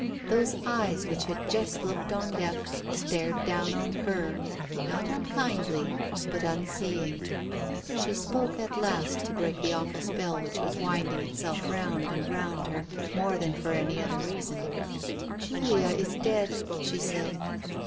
Those eyes which had just looked on death, stared down on her, not unkindly, but unseeing. ... She spoke at last, to break the awful spell which was winding itself round and round her, more than for any other reason. "Julia is dead," she said.